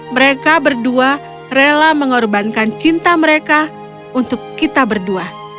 mereka berdua rela mengorbankan cinta mereka untuk kita berdua